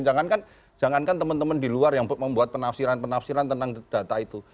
jangankan teman teman di luar yang membuat penafsiran penafsiran tentang data itu